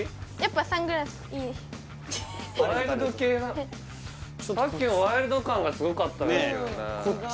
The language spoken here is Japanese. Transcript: さっきのワイルド感がすごかっ